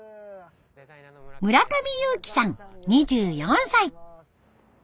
村上結輝さん２４歳。